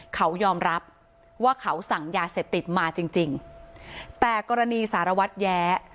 เขายอมรับว่าเขาสั่งยาเสพติดมาจริงจริงแต่กรณีสารวัตรแย้